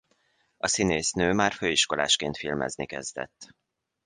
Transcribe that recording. A színésznő már főiskolásként filmezni kezdett.